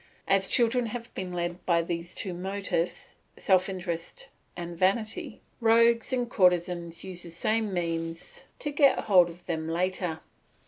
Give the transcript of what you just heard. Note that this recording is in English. As children have been led by these two motives, self interest and vanity, rogues and courtesans use the same means to get hold of them later.